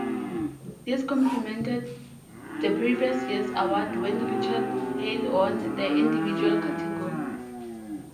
This complemented the previous year's award when Richard Hale won the individual category.